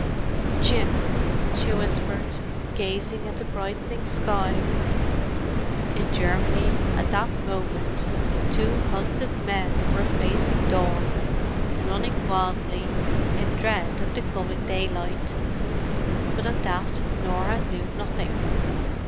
"Jim!" she whispered, gazing at the brightening sky. In Germany, at that moment, two hunted men were facing dawn—running wildly, in dread of the coming daylight. But of that Norah knew nothing.